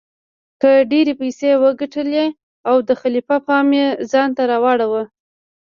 هغه ډیرې پیسې وګټلې او د خلیفه پام یې ځانته راواړوه.